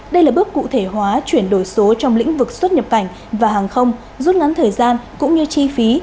đây là bước cụ thể hóa chuyển đổi số trong lĩnh vực xuất nhập cảnh và hàng không rút ngắn thời gian cũng như chi phí